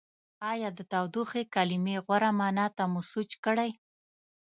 ایا د تودوخې کلمې غوره معنا ته مو سوچ کړی؟